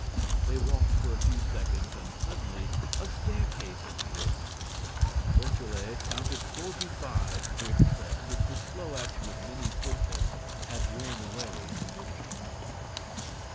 They walked for a few seconds and, suddenly, a staircase appeared. Beautrelet counted forty five brick steps, which the slow action of many footsteps had worn away in the middle.